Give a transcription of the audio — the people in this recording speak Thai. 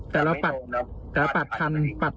จอดให้เราโดนยิงก่อน